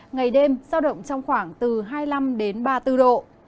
ngày đêm giao động trong khoảng từ hai mươi năm đến ba mươi bốn độ